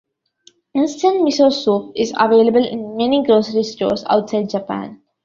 Instant miso soup is available in many grocery stores outside Japan.